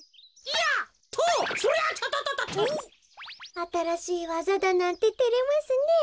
あたらしいわざだなんててれますねえ。